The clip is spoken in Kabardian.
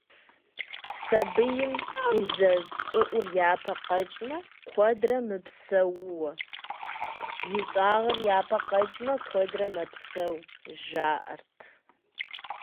Сабийм и дзэ щӏыӏур япэ къэкӏмэ, куэдрэ мыпсэууэ, ищӏагъыр япэ къэкӏмэ, куэдрэ мэпсэу, жаӏэрт.